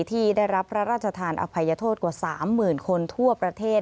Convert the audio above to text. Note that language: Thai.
ที่ได้รับพระราชทานอภัยโทษกว่า๓๐๐๐คนทั่วประเทศ